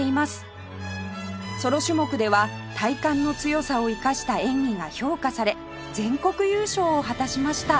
ソロ種目では体幹の強さを生かした演技が評価され全国優勝を果たしました